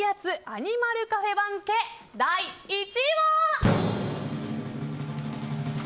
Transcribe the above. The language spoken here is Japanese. アニマルカフェ番付第１位は。